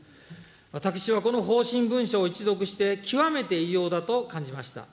私はこの方針文書を一読して、極めて異様だと感じました。